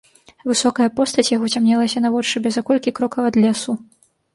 Высокая постаць яго цямнелася наводшыбе за колькі крокаў ад лесу.